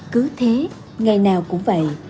cứ thế ngày nào cũng vậy